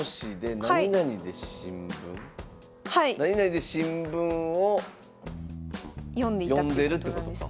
なになにで新聞を読んでるってことか。